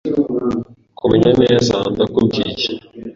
Kumenya neza ndakubwiye